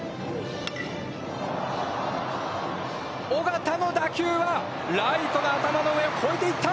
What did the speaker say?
尾形の打球は、ライトの頭の上を越えてきた。